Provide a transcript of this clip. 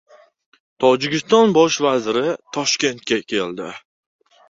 Tojikiston bosh vaziri Toshkentga keldi